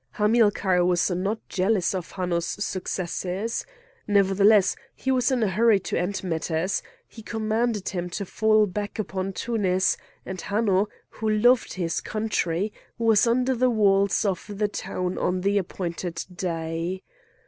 Hamilcar was not jealous of Hanno's successes. Nevertheless he was in a hurry to end matters; he commanded him to fall back upon Tunis; and Hanno, who loved his country, was under the walls of the town on the appointed day.